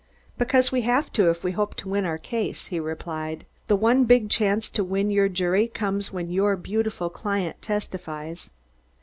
"Because we have to, if we hope to win our case," he replied. "The one big chance to win your jury comes when your beautiful client testifies."